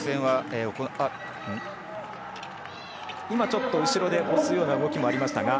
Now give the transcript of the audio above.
今、後ろで押すような動きがありました。